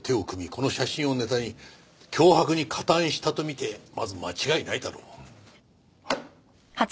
この写真をネタに脅迫に加担したと見てまず間違いないだろう。